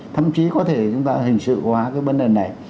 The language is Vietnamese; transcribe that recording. thậm chí có thể chúng ta hình sự hóa cái vấn đề này